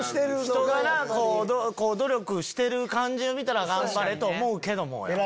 人が努力してる感じを見たら頑張れと思うけども。